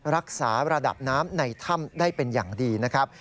รักษาระดับน้ำในถ้ำได้เป็นอย่างดีนะครับ